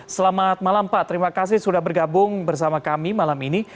selamat malam pak terima kasih sudah bergabung bersama kami malam ini